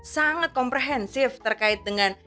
sangat komprehensif terkait dengan